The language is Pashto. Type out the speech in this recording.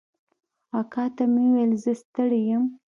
اکا ته مې وويل زه ستړى يم.